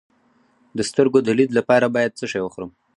د سترګو د لید لپاره باید څه شی وخورم؟